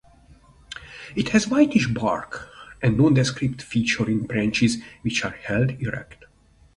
It has whitish bark and nondescript featuring branches which are held erect.